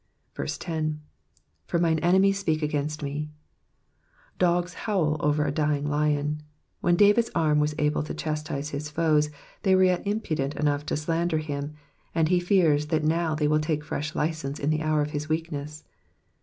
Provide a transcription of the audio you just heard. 10. ^^For mine enemies speak against ww. Dogs howl over a dying lion. When David's arm was able to chastise his foes, they were yet impudent enough to slander him, and he fears that now they will take fresh license in the hour of his weakness.